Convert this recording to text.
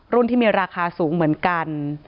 ที่มีราคาสูงเหมือนกัน